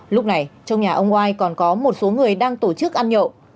lúc này trong nhà ông oai còn có một số người đang tổ chức ăn nhậu